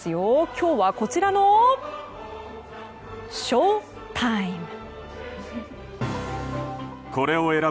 今日はこちらのショウタイム。